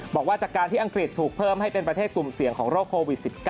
บอกว่าจากการที่อังกฤษถูกเพิ่มให้เป็นประเทศกลุ่มเสี่ยงของโรคโควิด๑๙